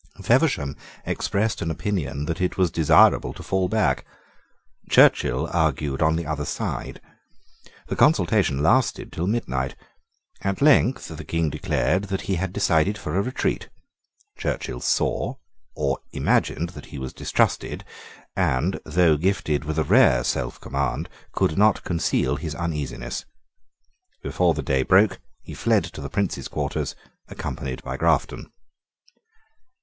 Feversham expressed an opinion that it was desirable to fall back. Churchill argued on the other side. The consultation lasted till midnight. At length the King declared that he had decided for a retreat. Churchill saw or imagined that he was distrusted, and, though gifted with a rare self command, could not conceal his uneasiness. Before the day broke he fled to the Prince's quarters, accompanied by Grafton.